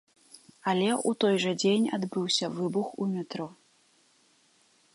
Але ў той жа дзень адбыўся выбух у метро.